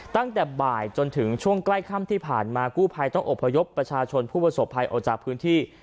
ตั้งแต่บ่ายจนถึงช่วงใกล้ค่ำที่ผ่านมากู้ภัยต้องอบพยพประชาชนผู้ประสบภัยออกจากพื้นที่